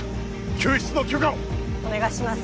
救出の許可をお願いします